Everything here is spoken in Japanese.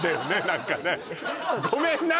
何かねごめんな！